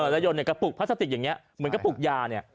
แล้วยนต์ในกระปุกพลาสติกอย่างนี้เหมือนกระปุกยาเนี่ย